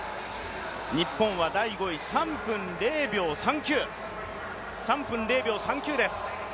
日本は第５位、３分０秒３９です。